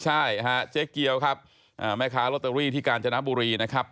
ใช่ฮะเจ๊เกียวครับแม่ค้าลอตเตอรี่ที่กาญจนบุรีนะครับ